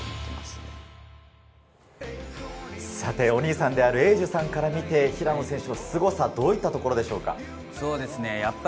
お兄さんである英樹さんから見て、平野選手のすごさはどういったところでしょうか？